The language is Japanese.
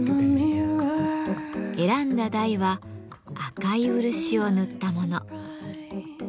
選んだ台は赤い漆を塗ったもの。